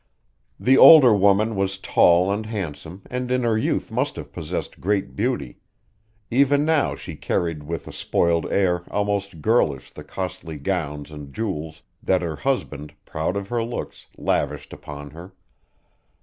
The older woman was tall and handsome and in her youth must have possessed great beauty; even now she carried with a spoiled air almost girlish the costly gowns and jewels that her husband, proud of her looks, lavished upon her.